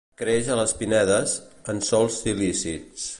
Creix a les pinedes, en sòls silícics.